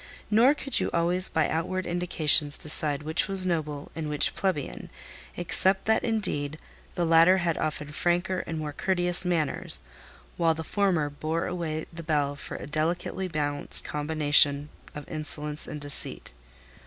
Nor could you always by outward indications decide which was noble and which plebeian; except that, indeed, the latter had often franker and more courteous manners, while the former bore away the bell for a delicately balanced combination of insolence and deceit.